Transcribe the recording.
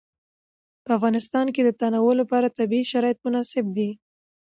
په افغانستان کې د تنوع لپاره طبیعي شرایط مناسب دي.